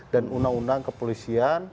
dan undang undang kepolisian